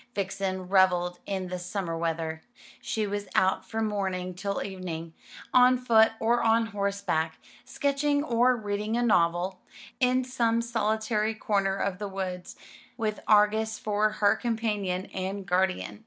Vixen revelled in the summer weather. She was out from morning till evening, on foot or on horseback, sketching or reading a novel, in some solitary corner of the woods, with Argus for her companion and guardian.